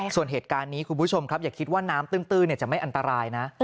ส่วนเหตุการณ์นี้คุณผู้ชมครับอย่าคิดว่าน้ำตื้นจะไม่อันตรายนะ